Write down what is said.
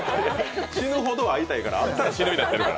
死ぬほど会いたい、から、会ったら死ぬになってるから。